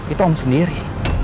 itu om sendiri